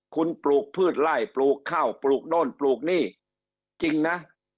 คุณปลูกพืชไล่ปลูกข้าวปลูกโน่นปลูกนี่จริงนะ